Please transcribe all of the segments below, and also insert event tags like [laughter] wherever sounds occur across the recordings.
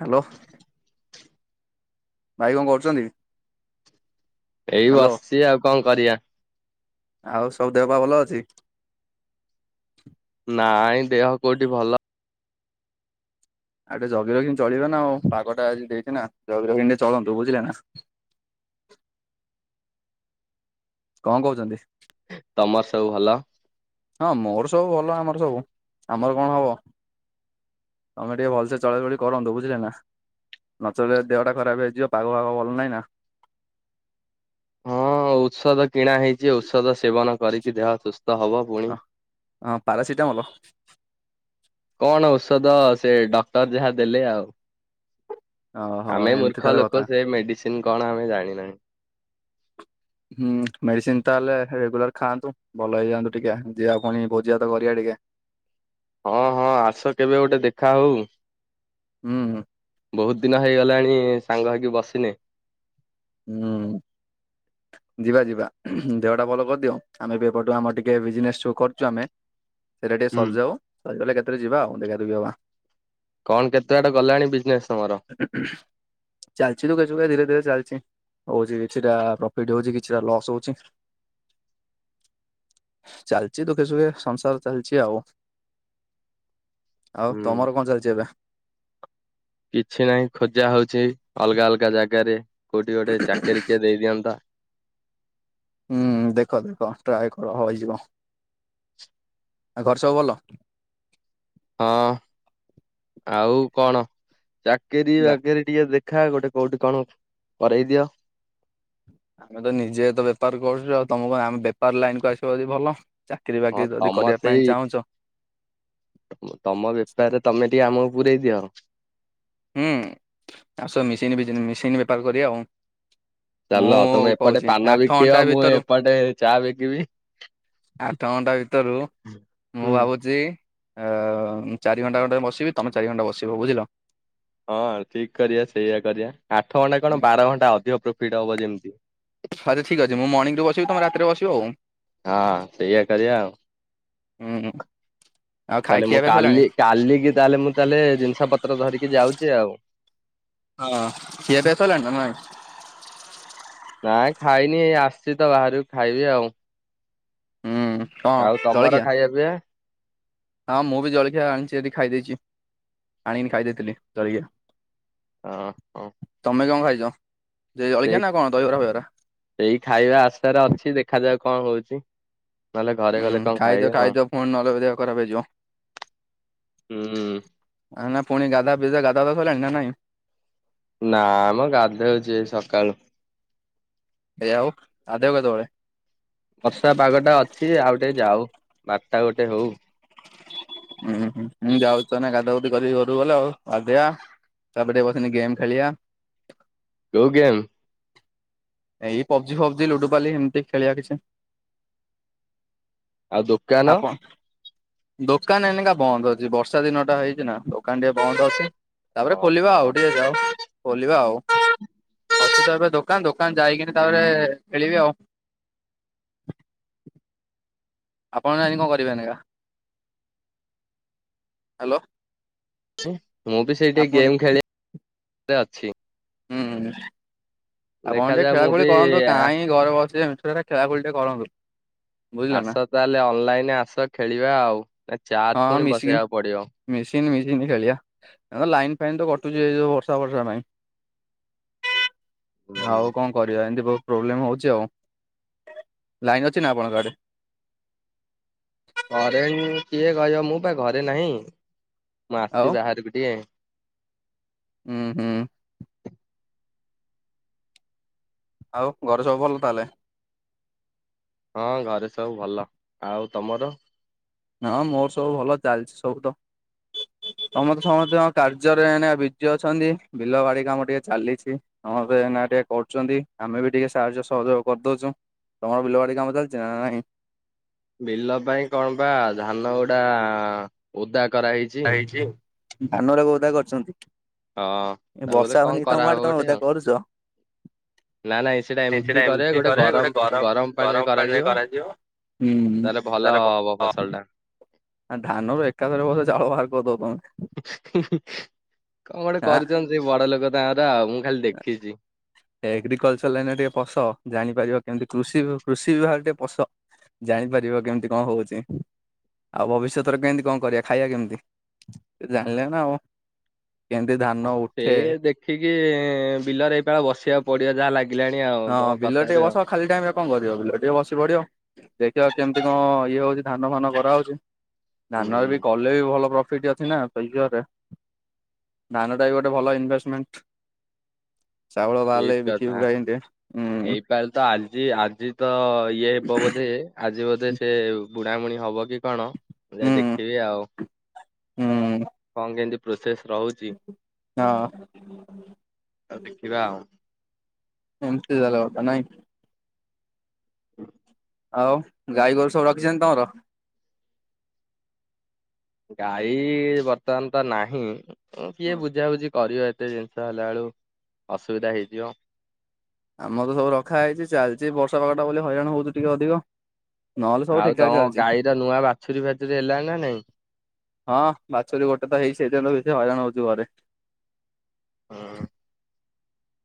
Hello. ଭାଇ କଣ କରୁଛନ୍ତି? ଏଇ ହ୍ୟାଲୋ ବସିଛି ଆଉ କଣ କରିବା? ଆଉ ସବୁ ଦେହ ପାହା ଭଲ ଅଛି? ନାଇଁ ଦେହ କୋଉଠି ଭଲ ଆଉ ଟେ ଜଗି ରଖି କିଣି ଚଳିବ ନା ଆଉ ପାଗଟା ଆଜି ଦେଇଛି ନା ଜଗି ରଖି କି ଟିକେ ଚଳନ୍ତୁ ବୁଝିଲେ ନା? କଣ କହୁଛନ୍ତି? ତମର ସବୁ ଭଲ? ହଁ ମୋର ସବୁ ଭଲ ଆମର ସବୁ ଆମର କଣ ହବ? ତମେ ଟିକେ ଭଲସେ ଚଳାଚଳି କରନ୍ତୁ ବୁଝିଲେ ନା? ନଚଳିଲେ ଦେହଟା ଖରାପ ହେଇଯିବ ପାଗ ଫାଗ ଭଲ ନାହିଁ ନା? ହଁ ଔଷଧ କିଣା ହେଇଛି ଔଷଧ ସେବନ କରିକି ଦେହ ସୁସ୍ଥ ହବ। ପୁଣି। ଅ ହ ପାରାସିଟାମଲ। କଣ ଓଷଧ ସେ ଡକ୍ଟର ଯାହା ଦେଲେ ଆଉ ଓହୋ ଆମେ ଏମିତି ମୂର୍ଖ ତାହେଲେ କଥା। ଲୋକ ସେ ମେଡିସିନ କଣ ଆମେ ଜାଣିନାହିଁ? ହୁଁ ମେଡିସିନ ତାହେଲେ ରେଗୁଲାର ଖାଆନ୍ତୁ। ଭଲ ହେଇଯାଆନ୍ତୁ ଟିକେ ଯିବା ପୁଣି ଭୋଜି ଭାତ କରିବା ଟିକେ? ହଁ ହଁ ଆସ କେବେ ଗୋଟେ ଦେଖା ହଉ? ହୁଁ ହୁଁ। ବହୁତ ଦିନ ହେଇଗଲାଣି ସାଙ୍ଗ ହେଇକି ବସିନେ। ହୁଁ। ଯିବା ଯିବା ଦେହଟା ଭଲ କରିଦିଅ ଆମେ ବି ଏପଟୁ ଆମର ଟିକେ ବିଜନେସ ସୁ କରୁଛୁ ଆମେ ସେଇଟା ଟିକେ ହୁଁ ସରିଯାଉ ସରିଗଲେ କେତେରେ ଯିବା ଆଉ ଦେଖାଦଖି ହବା। କଣ କେତେ ବାଟ ଗଲାଣି ବିଜନେସ ତମର? ଚାଲିଛି ଦୁଃଖେ ସୁଖେ ଧୀରେ ଧୀରେ ଚାଲିଛି ହଉଛି କିଛିଟା ପ୍ରଫି ଟ ହଉଛି କିଛିଟା ଲସ୍ ହଉଛି। ଚାଲିଚି ଦୁଃଖେ ସୁଖେ ସଂସାର ଚାଲିଛି ଆଉ ଆଉ ହୁଁ ତମର କଣ ଚାଲିଛି ଏବେ? କିଛି ନାହିଁ ଖୋଜା ହଉଛି ଅଲଗା ଅଲଗା ଜାଗାରେ କୋଉଠି ଗୋଟେ ଚାକିରି କିଏ ଦେଇ ଦିଅନ୍ତା? ହୁଁ ଦେଖ ଦେଖ ଟ୍ରାଏ କର ହଁ ହେଇଯିବ ଆଉ ଘରେ ସବୁ ଭଲ? ହଁ ଆଉ କଣ ଚାକିରି ଗା ବାକିରି ଟିକେ ଦେଖା ଗୋଟେ କୋଉଠି କଣ କରେଇ ଦିଅ? ଆମେ ତ ନିଜେ ତ ବେପାର କରୁଛୁ ଆଉ ତମକୁ ଆମ ବେପାର ଲାଇନକୁ ଆସିବ ଯଦି ଭଲ। ଚାକିରୀ ହଁ ବାକିରି ଯଦି ତମ କରିବା ପାଇଁ ସେଇ ଚାହୁଁଛ ତମ ବେପାରରେ ତମେ ଟିକେ ଆମକୁ ପୁରେଇ ଦିଅ। ହୁଁ ଆସ ମେସିନ ମେସିନ୍ ବେପାର କରିବା ଆଉ ଚାଲ ତମେ ମୁଁ ଏପଟେ କହୁଛି ପାନ ଆଠ ଘଣ୍ଟା ବିକିବ ମୁଁ ଭିତରୁ ଏପଟେ ଚା ବିକିବି। ଆଠ ଘଣ୍ଟା ଭିତରୁ ମୁଁ ହୁଁ। ଭାବୁଛି ଅ ମୁଁ ଚାରି ଘଣ୍ଟା ଖ ବସିବି ତମେ ଚାରି ଘଣ୍ଟା ବସିବ ବୁଝିଲ? ହଁ ଠିକ କରିବା ସେଇଆ କରିବା ଆଠ ଘଣ୍ଟା କଣ ବାର ଘଣ୍ଟା ଅଧିକ ପ୍ରଫିଟ ହବ ଯେମିତି ଆଛା ଠିକ ଅଛି ମୁଁ ମର୍ଣିଂରୁ ବସିବି ତମେ ରାତିରେ ବସିବ ଆଉ ହଁ ହଁ ସେଇଆ କରିଆ ଆଉ। ହୁଁ ଆଉ ଖାଇ ତାହେଲେ ଖିଆ ମୁଁ ପିଆ ସଇଲାଣି? କାଲି କାଲି କି ତାହେଲେ ମୁଁ ତାହେଲେ ଜିନିଷ ପତ୍ର ଧରିକି ଯାଉଚି ଆଉ। ହଁ ଖିଆ ପିଆ ସଇଲାଇଁ ନା ନାଇଁ? ନାଇଁ ଖାଇନି ଏଇ ଆସଚି ତ ବାହାରୁକୁ ଖାଇବି ଆଉ। ହୁଁ କଣ ଆଉ ଜଳଖିଆ? ତମର ଖାଇଆ ପିଇଆ। ହଁ ମୁଁ ବି ଜଳଖିଆ ଆଣିଚି ଏଇଠି ଖାଇ ଦେଇଚି ଆଣିକିନି ଖାଇ ଦେଇଥିଲି ଜଳିଖିଆ। ହଁ। ହଁ ତମେ କଣ ଖାଇଚ ସେ ଜଳିଖିଆ ନା କଣ ଦହିବରା ଫହିବରା? ଏଇ ଖାଇବା ଆଶାରେ ଅଛି ଦେଖାଯାଉ କଣ ହଉଚି। ହୁଁ ଖାଇଦିଅ ଖାଇଦିଅ ପୁଣି ନହେଲେ ଦେହ ଖରାପ ହେଇଯିବ। ହୁଁ। ଆଉ ନା ପୁଣି ଗାଧା ପିଧା ଗାଧା ତ ସଇଲାଣି ନା ନାଇଁ? ନା ମ ଗାଧଉଚି ଏ ସକାଳୁ। ଏ ଆଉ ଗାଧେଇବ କେତବେଳେ? ବର୍ଷା ପାଗ ଟା ଅଛି ଯେ ଆଉ ଟିକେ ଯାଉ ବାରଟା ଗୋଟେ ହଉ। ହୁଁ ହୁଁ ମୁଁ ଯାଉଚି ତାହେଲେ ଗାଧା ଗୁଧି କରିକି ଘରୁକୁ ଗଲେ ଆଉ ଗାଧେଇଆ। ତାପରେ ଟିକେ ବସିନି ଗେମ୍ ଖେଳିଆ। କୋଉ ଗେମ୍? ଏଇ ପବଜି ଫବଜି ଲୁଡୁପାଲି ଏମତି ଖେଳିଆ କିଛି। ଆଉ ଦୋ ଆପଣ ଦୋକାନ ଏନେକା ବନ୍ଦ ଅଛି ବର୍ଷା ଦିନଟା ହେଇଚି ନା ଦୋକାନ ଟିକେ ବନ୍ଦ ଅଛି। ତାପରେ ଖୋଲିବା ଓହୋ। ଆଉ ଟିକେ ଯାଉ। ଖୋଲିବା ଆଉ ଅଛି ତ ଏବେ ଦୋକାନ ଦୋକାନ ଯାଇକିନି ତାପରେ ଖେଳିବି ଆଉ। ଆପଣ ଅଇଖା ଏନିକି କଣ କରିବେ ଏନେକା ହାଲୋ। ମୁଁ ବି ସେଇ ଟିକେ ଗେମ୍ ଖେଳି ରେ ଅଛି। ହୁଁ। ଆପଣ ଟିକେ ଦେଖାଯାଉ ଖେଳା ମୁଁ ଖୁଳି ବି କରନ୍ତୁ ଆ- କାଇଁ ଘରେ ବସି ମିଛ ଟାରେ ଖେଳା ଖୁଳି ଟିକେ କରନ୍ତୁ। ବୁଝିଲେ ନା ଆସ ତାହେଲେ ଅନଲାଇନ ଆସ ଖେଳିବା ଆଉ ଏ ଚାର୍ଜ ହଁ ପୁଣି ମିଶିକି ବସେଇଆକୁ ପଡିବ। ମିଶିକିନି ମିଶିକିନି ଖେଳିଆ ଲାଇନ୍ ଫାଇନ୍ ତ କଟୁଚି ଏଇ ଯୋଉ ବର୍ଷା ଫର୍ଷା ପାଇଁ। ଆଉ କଣ କରିବା ଏମତି ବହୁତ ପ୍ରୋବ୍ଲେମ୍ ହଉଚି ଆଉ ଲାଇନ୍ ଅଛି ନା ଆପଣଙ୍କ ଆଡେ? କରେଣ୍ଟ କିଏ କହିବ ମୁଁ ପା ଘରେ ନାହିଁ ମୁଁ ଆଉ ଆସଚି ବାହାରୁକୁ ଟିକେ। ହୁଁ ହୁଁ। ଆଉ ଘରେ ସବୁ ଭଲ ତାହେଲେ? ହଁ ଘରେ ସବୁ ଭଲ ଆଉ ତମର? ହଁ ମୋର ସବୁ ଭଲ ଚାଲଚି ସବୁ ତ। ସମତେ ସମସ୍ତେଙ୍କ କାର୍ଯ୍ୟରେ ଏଇନେ ବିଜି ଅଛନ୍ତି ବିଲ ବାଡି କାମ ଟିକେ ଚାଲିଛି। ସମସ୍ତେ ଏଇନା ଟିକେ କରୁଚନ୍ତି ଆମେ ବି ଟିକେ ସାହାଯ୍ୟ ସହଯୋଗ କରଦଉଛୁ। ତମର ବିଲ ବାଡି କାମ ଚାଲଚି ନା ନାଇଁ? ବିଲ ପାଇଁ କଣ ବା ଧାନ ଗୁଡା ଓଦା କରାହେଇ ଦା ହେଇଚି ଧାନ ଗୁରାକ ଓଦା କରିଚନ୍ତି। ହଁ। ଏ ତା ବୋଧେ ବର୍ଷା କଣ ହଉନି କି ତମ କରାହବ ଆଡେ ତମେ ଗୋଟେ ଓଦା ଆଉ କରୁଚ। ଏ ସେଟା ଏମତି କରେ ଗୋଟେ ଗରମ ଗରମ ପାଣିରେ କରାଯିବ। ହୁଁ ହୁଁ ତାହେଲେ ଭଲ ତାର ହବ ଫସଲ [inaudible] ଟା ଆ ଧାନରୁ ଏକାଥରେ ବୋଧେ ଚାଉଳ ବାହାର କରିଦବ ତମେ? କଣ ଗୋଟେ ଆଁ କରିଛନ୍ତି ସେ ବଡ ଲୋକ ତାଙ୍କର ଆଉ ମୁଁ ଖାଲି ଦେଖିଛି। ଏଗ୍ରିକଲଚର ଲାଇନରେ ଟିକେ ପସ ଜାଣିପାରିବ କେମିତି କୃଷି କୃଷି ବିଭାଗ ଟିକେ ପସ ଜାଣିପାରିବ କେମତି କଣ ହଉଛି ଆଉ ଭବିଷ୍ୟତରେ କେମତି କଣ କରିବା ଖାଇବା କେମିତି? ସେ ଜାଣିଲେନା ଆଉ। କେମିତି ଧାନ ହଁ ଉଠେ ଏଇ ଦେଖିକି ବିଲରେ ଏଇପାଳ ବସିବାକୁ ପଡିବା ଯାହା ଲାଗେ ଲାଗିଲାଣି ଆଉ ତମ ହଁ ବିଲ ଟିକେ କଥାରୁ ବସ ଆଉ। ଖାଲି ଟାଇମରେ କଣ କରିବ ବିଲରେ ଟିକେ ବସି ପଡିବ। ଦେଖିବା କେମିତି କଣ ଇଏ ହଉଛି ଧାନ ଫାନ କରାହଉଛି ଧାନରେ ହୁଁ ବି କ କଲେ ବି ଭଲ ପ୍ରଫିଟ ଅଛିନା ତରେ [inaudible] ଧାନଟା ବି ଗୋଟେ ଭଲ ଇନଭେଷ୍ଟମେଣ୍ଟ ଚାଉଳ ଠିକ ବାହାରିଲେ ବିକି କଥା ବୁକାକୀ ନି ଦେବେ। ଏଇପାଳି ତ ଆଜି ଆଜି ତ ଇଏ ହେବ ବୋଧେ ଆଜି ବୋଧେ ସେ ବୁଣାବୁଣି ହବକି କଣ ମୁଁ ହୁଁ ଯାଇ ଦେଖିବି ଆଉ ହୁଁ କଣ କେନ୍ତି ପ୍ରୋସେସ୍ ରହୁଛି ହଁ। ଆଉ ଦେଖିବା ଆଉ। ଏମତି ତାହେଲେ କଥା ନାଇଁ। ହଁ ଆଉ ଗାଈ ଗୋରୁ ସବୁ ରଖିଛନ୍ତି ତମର? ଗାଈ ବର୍ତ୍ତମାନ ତ ନାହିଁ କିଏ ବୁଝାବୁଝି କରିବ ଏତେ ଜିନିଷ ହେଲା ଏଳୁକୁ ଅସୁବିଧା ହେଇଯିବ। ଆମର ତ ସବୁ ରଖା ହେଇଛି ଚାଲିଛି ବର୍ଷା ପାଗଟା ବୋଲି ହଇରାଣ ହଉଛି ଟିକେ ଅଧିକ। ନହେଲେ ସବୁ ଆଉ ଠିକ ଠାକ ତମ ଚାଲିଛି। ଗାଈର ନୂଆ ବାଛୁରୀ ଫାଛୁରୀ ହେଲାଣି ନା ନାଇଁ? ହଁ ବାଛୁରୀ ଗୋଟେତ ହେଇ ସେଇଥିପାଇଁତ ବେଶୀ ହଇରାଣ ହଉଛୁ ଘରେ। ହୁଁ।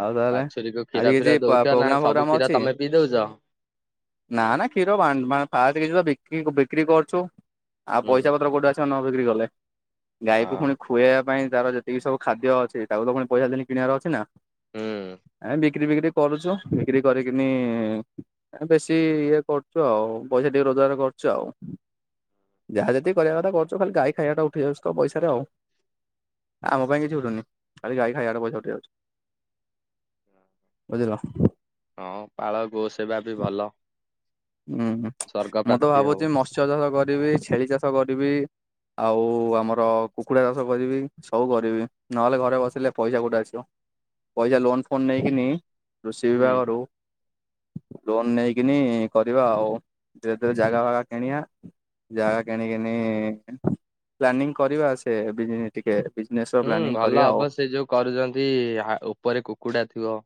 ଆଉ ତାହେଲେ ବାଛୁରୀ କୁ କ୍ଷୀର ଆଜି ଫିର କିଛି ଦଉଛ ନା ପ୍ରୋଗ୍ରାମ ସବୁ ଫୋଗ୍ରାମ କ୍ଷୀର ଅଛି। ତମେ ପିଇ ଦଉଛ? ନାଁ ନାଁ କ୍ଷୀର ବା ପାଏଟେ ବି ବିକ୍ରି କରୁଛୁ। ଆଉ ହୁଁ ପଇସା ପତ୍ର କୋଉଠୁ ଆସିବ ନ ବିକ୍ରି କଲେ ଗାଈକୁ ହଁ ପୁଣି ଖୁଆଇବା ପାଇଁ ତାର ଯେତିକିସବୁ ଖାଦ୍ୟ ଅଛି ତାକୁ ତ ପୁଣି ପଇସା ଦେଇକି କିଣିବାର ଅଛି ନା? ହୁଁ। ଆଁ ବିକ୍ରି ବିକ୍ରି କରୁଛୁ ବିକ୍ରି କରିକିନି ବେଶୀ ଇଏ କରୁଛୁ ଆଉ ପଇସା ଟିକେ ରୋଜଗାର କରୁଛୁ ଆଉ। ଯାହା ଯେତିକି କରିବା କଥା କରୁଚୁ ଖଲି ଗାଈ ଖାଇବାଟା ଉଠିଇ ଯାଉଛି ତ ପଇସାରେ ଆଉ। ଆମ ପାଇଁ କିଛି ଉଠୁନି ଖଲି ଗାଈ ଖାଇବା ପଇସା ଉଠି ଯାଉଛି। ବୁଝିଲ? ହଁ ପାଳ ଗୋ ସେବା ବି ଭଲ। ଉଁ ହୁଁ ସ୍ଵର୍ଗ ମୁଁ ତ ପ୍ରାପ୍ତି ହବ ଭାବୁଛି ମତ୍ସ୍ୟ ଚାଷ କରିବି ଛେଳି ଚାଷ କରିବି। ଆଉ ଆମର କୁକୁଡ଼ା ଚାଷ କରିବି ସବୁ କରିବି ନହେଲେ ଘରେ ବସିଲେ ପଇସା କୋଉଠୁ ଆସିବ। ପଇସା ଲୋନ ଫୋନ୍ ନେଇକିନି କୃଷି ହୁଁ। ବିଭାଗରୁ ଲୋନ୍ ନେଇକିନି କରିବା ଆଉ ଧୀରେ ଧୀରେ ଜାଗା ଫାଗା କିଣିଆ। ଜାଗା କିଣିକିନି ପ୍ଲାନିଂ କରିବା ସେ ବିଜନି ଟିକେ ବିଜନେସ୍ ହୁଁ ଭଲ ହବ ସେ ଯୋଉ କରୁଛନ୍ତି ହା ଉପରେ କୁକୁଡ଼ା ଥିବ।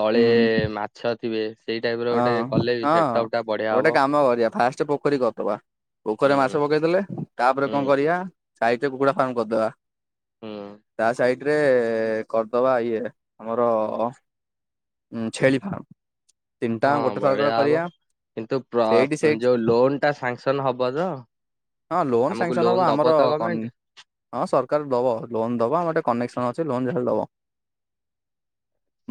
ତଳେ ମା ଅଁ ହଁ ସେଟପ ଟା ବଢିଆ ହବ। ଗୋଟେ କାମ କରିବା ଫାଷ୍ଟ୍ ପୋଖରୀ କରଦବା। ପୋଖରୀରେ ମାଛ ହୁଁ ପକେଇ ଦେଲେ, ତାପରେ କଣ ହୁଁ କରିଆ? ସାଇଟ୍ ରେ କୁକୁଡା ଫାର୍ମ କରିଦବା, ହୁଁ ତା ସାଇଟ୍ ରେ କରିଦବା ଇଏ ଆମର ଉଁ ଛେଳି ଫାର୍ମ, ତିନିଟାୟାଙ୍କ ହଁ ଗୋଟେ ବଢିଆ ଥରକରେ ହବ କରିଆ। କିନ୍ତୁ ପ୍ର ଯୋଉ ଲୋନ୍ ଟା ସାଂସନ୍ ହବ ତ? ହଁ ଲୋନ୍ ଆମକୁ ସାଂସନ୍ ହବ ଲୋନ ଦବ ଆମର ତ କନ୍ ଗମେଣ୍ଟ? ହଁ ସରକାର୍ ଦବ ଲୋନ୍ ଦବ ଆମର ଗୋଟେ କନେକ୍ସନ୍ ଅଛି ଲୋନ ଯାହେଲେ ଦବ।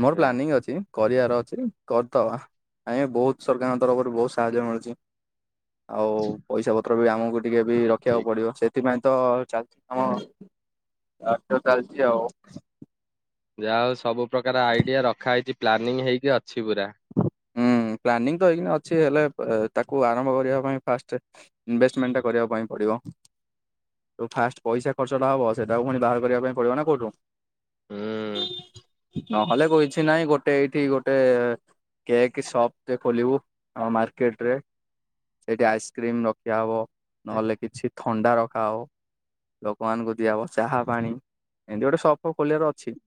ମୋର ଠିକ ପ୍ଲାନିଂ ଅଛି। ଅଛି କରିବାର ଅଛି କରିଦବା ଆଜ୍ଞା ବହୁତ୍ ସରକାରଙ୍କ ତରଫରୁ ବହୁତ୍ ସାହାଯ୍ୟ ମିଳୁଚି। ଆଉ ପଇସା ପତ୍ର ବି ଆମୁକୁ ଟିକେ ବି ରଖିବାକୁ ଠିକ ପଡିବ ସେ ଥିପାଇଁ ତ ଚାଲିଚି [unintelligible] ବାଟ ଚାଲିଚି ଆଉ। ଯାହଉ ସବୁ ପ୍ରକାର ଆଇଡିଆ ରଖା ହେଇଚି ପ୍ଲାନିଂ ହେଇକି ଅଛି ପୁରା। ହୁଁ ପ୍ଲାନିଂ ତ ହେଇକିନି ଅଛି ହେଲେ ତାକୁ ଆରମ୍ଭ କରିବା ପାଇଁ ଫାଷ୍ଟେ ଇନଭେଷ୍ଟମେଣ୍ଟ ଟା କରିବା ପାଇଁ ପଡ଼ିବ। ଯୋଉ ଫାଷ୍ଟ ପଇସା ଖର୍ଚ୍ଚଟା ହବ ସେଟାକୁ ପୁଣି ବାହାର କରିବା ପାଇଁ ପଡ଼ିବ ନା କୋଉଠୁ। ହୁଁ। ନହେଲେ କହିଛି ନାହିଁ ଗୋଟେ ଏଇଠି ଗୋଟେ କେକ୍ ସପ୍ ଟେ ଖୋଲିବୁ ଆମ ମାର୍କେଟ୍ ରେ। ସେଇଠି ଆଇସକ୍ରିମ୍ ରଖିଆ ହବ, ଏ ନହେଲେ କିଛି ଥଣ୍ଡା ରଖାହବ। ଲୋକମାନଙ୍କୁ ଦିଆହବ ଚାହା ପାଣି ଏମିତି ଗୋଟେ ସପ୍ ଫପ୍ ଖୋଲିବାର ଅଛି‌।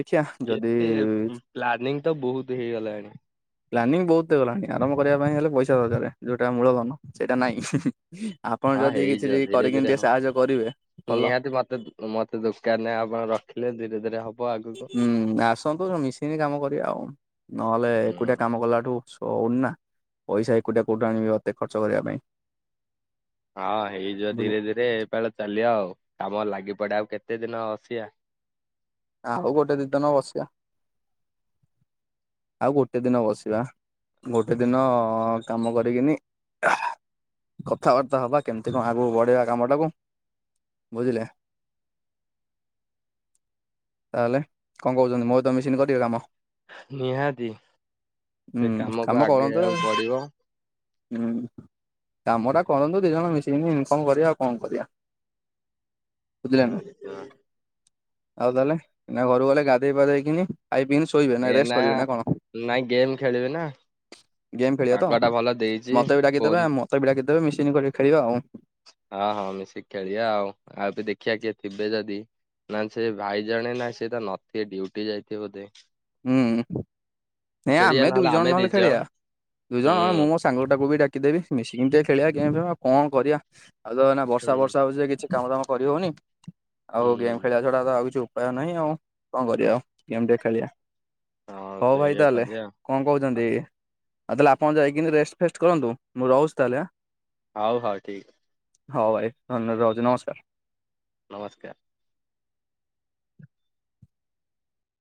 ଦେଖିିଆ ଯଦି କେତେ ପ୍ଲାନିଂ ତ ବହୁତ ହେଇଗଲାଣି। ପ୍ଲାନିଂ ବହୁତ୍ ହେଇଗଲାଣି ଆରମ୍ଭ କରିବା ପାଇଁ ହେଲେ ପଇସା ଦରକାରେ ଯୋଉଟା ମୂଳଧନ ସେଇଟା ନାହିଁ ହିଁ-ହିଁ। ଆପଣ ହଁ ଯଦି କିଛି ହେଇଯିବ ଟିକେ ଧୀରେ ଧୀରେ କରିକିନି ଟିକେ ହବ। ସାହାଯ୍ୟ କରିବେ ଭଲ। [unintelligible] ମତେ ଦୋକାନ୍ ରେ ଆପଣ ରଖିଲେ ଧୀରେ-ଧୀରେ ହବ। ଆଗକୁ। ହୁଁ ଆସନ୍ତୁ ସବୁ ମିଶିକିନି କାମ କରିବା ଆଉ। ନହେଲେ ହୁଁ ଏକୁଟଆ କାମ କଲାଠୁ ସଉନି ନା। ପଇସା ଏକୁଟିଆ କଉଠୁ ଆଣିବି ଅତେ ଖର୍ଚ୍ଚ କରିବା ପାଇଁ। ହଁ ହେଇଯିବ ବୁଝ ଧୀରେ-ଧୀରେ ଏପାଳ ଚାଲିଆ ଆଉ, କାମରେ ଲାଗି ପଡେ ଆଉ କେତେ ଦିନ ବସିଆ। ଆଉ ଗୋଟେ ଦି ଦିନ ବସିଆ। ଆଉ ଗୋଟେ ଦିନ ବସିବା ଗୋଟେ ଦିନ କାମ କରିକିନି ଆଃ କଥାବାର୍ତ୍ତା ହବା, କେମ୍ତି କଣ ଆଗକୁ ବଢେଇବା କାମଟାକୁ। ବୁଝିଲେ? ତାହେଲେ କଣ କହୁଛନ୍ତି ମୋ ସହିତ ମିଶିକିନି କରିବେ କାମ? ନିହାତି ସେ ହୁଁ କାମ କାମକୁ କରନ୍ତୁ ଆଗେଇଆକୁ ପଡ଼ିବ। ହୁଁ। କାମଟା କରନ୍ତୁ ଦିଇ ଜଣ ମିଶିକିନି ଇନକମ୍ କରିବା ଆଉ କଣ କରିଆ। ବୁଝିଲେ ନାଁ। ଆଉ ତାହେଲେ ଏଇନା ଘରୁକୁ ଗଲେ ଗାଧେଇ ପାଧେଇକିନି ଖାଇ ପିଇକିନି ଶୋଇବେ ନା ରେଷ୍ଟ। ଆ କରିବେ ନା କଣ ନାଇଁ ଗେମ୍ ଖେଳିବି ନା। ଗେମ୍ ଖେଳିବ ତ, ପାଗ ଟା ଭଲ ଦେଇଛି ମତେ ବି ଡାକିଦବେ ଫୋନ ମତେ ବି ଡାକିଦେବେ ମିଶିିକିନି ଖେଳିବା ଆଉ। ହଁ-ହଁ ମିଶିକି ଖେଳଆ ଆଉ, ଆଉ ବି ଦେଖିବା କିଏ ଥିବେ ଯଦି ନା ସେ ଭାଇ ଜଣେ ନା ସେ ତ ନଥିବେ ଡୁଟି ଯାଇଥିବେ ବୋଧେ। ହୁଁ ଆମେ ଦୁଇ ଜଣ ନହେଲେ ଖେଳିଆ, ଦୁଇ ଜଣ ନହଲେ ମଁ ହୁଁ ମୋ ସାଙ୍ଗଟାକୁ ବି ଡାକିଦେବି ମିଶିକିଣଟେ ଖେଳିବା ଗେମ୍ ଫେମ୍ ଆଉ କଣ କରିବା ଆଉ ତ ନା ବର୍ଷା ହୁଁ ବର୍ଷା ହଉଚି ଯେ କିଛି କାମ ଦାମ କରି ହଉନି ଆଉ ଗେମ୍ ହୁଁ ଖେଳିବା ଛଡ଼ା ତ ଆଉ କିଛି ଉପାୟ ନାହିଁ ଆଉ କଣ କରିବା ଆଉ ଗେମ୍ ଟିକେ ଖେଳିବା। ହଁ ସେଇ ଏକ ଲେ କଣ କହୁଛନ୍ତି ଆଉ ତାଲେ ଆପଣ ଯାଇକି ରେଷ୍ଟ ଫେଷ୍ଟ କରନ୍ତୁ ମୁଁ ରହୁଛି ତାହେଲେ ଆଁ। ହଉ ହଉ ଠିକ୍ ହଉ ଭାଇ ଧନ୍ୟ ରହୁଛି ନମସ୍କାର। ନମସ୍କାର।